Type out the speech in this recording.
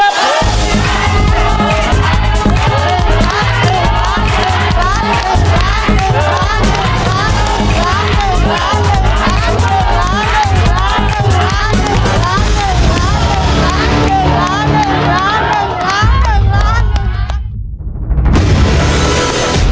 หยุดแล้วอ่ะพี่พร้อม